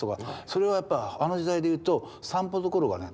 それはやっぱあの時代で言うと３歩どころかね